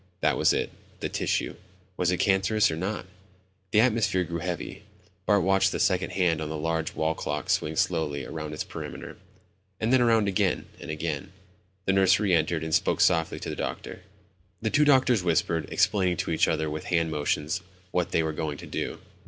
That was it, the tissue ... was it cancerous or not? The atmosphere grew heavy. Bart watched the second hand on the large wall clock swing slowly around its perimeter, and then around again and again. The nurse reentered and spoke softly to the doctor. The two doctors whispered, explaining to each other with hand motions what they were going to do.